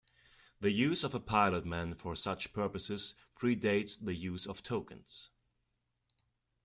The use of a pilotman for such purposes pre-dates the use of tokens.